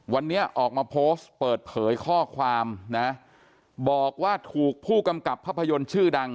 วันนี้ออกมาโพสต์เปิดเผยข้อความนะบอกว่าถูกผู้กำกับภาพยนตร์ชื่อดัง